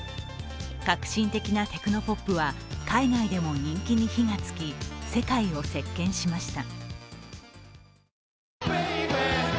革新的なテクノポップは、海外でも人気に火がつき世界を席巻しました。